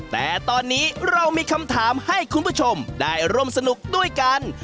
แต่ตอนนี้เรามีคำถามให้คุณผู้ชมได้ร่วมสนุกด้วยกัน